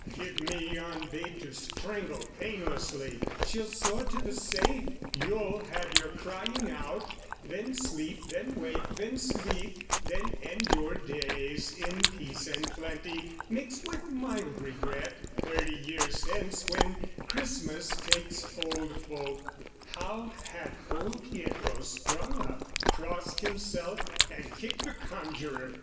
"Give me yon babe to strangle painlessly! "She'll soar to the safe: you'll have your crying out, "Then sleep, then wake, then sleep, then end your days "In peace and plenty, mixed with mild regret, "Thirty years hence when Christmas takes old folk" How had old Pietro sprung up, crossed himself, And kicked the conjuror!